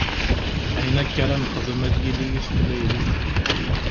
Ayen akk ara nexdem ad yili i teqbaylit.